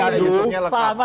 sama dengan kita